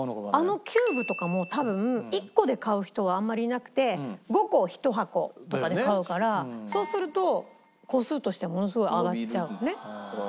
あのキューブとかも多分１個で買う人はあんまりいなくて５個１箱とかで買うからそうすると個数としてはものすごい上がっちゃうよね。